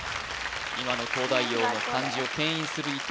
今の東大王の漢字を牽引する何だ